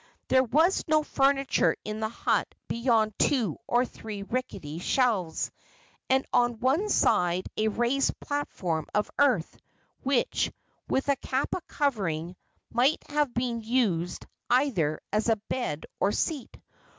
There was no furniture in the hut beyond two or three rickety shelves, and on one side a raised platform of earth, which, with a kapa covering, might have been used either as a bed or seat.